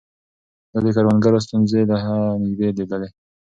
ده د کروندګرو ستونزې له نږدې ليدلې.